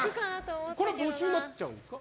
これ没収になっちゃうんですか？